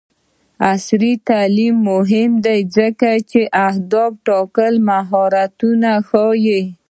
عصري تعلیم مهم دی ځکه چې د هدف ټاکلو مهارتونه ښيي.